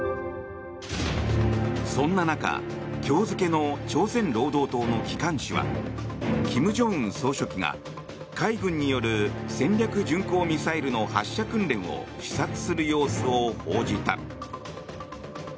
そんな中、今日付の朝鮮労働党の機関紙は金正恩総書記が、海軍による戦略巡航ミサイルの発射訓練を視察する様子を報じた。